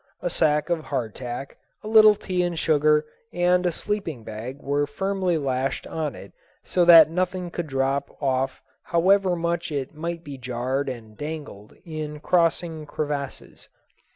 A sack of hardtack, a little tea and sugar, and a sleeping bag were firmly lashed on it so that nothing could drop off however much it might be jarred and dangled in crossing crevasses.